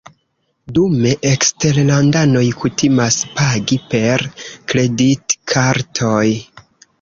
Dume eksterlandanoj kutimas pagi per kreditkartoj.